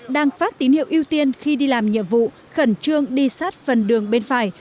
đang phát tín hiệu ưu tiên khi đi làm nhiệm vụ khẩn trương đi sát phần đường bên phải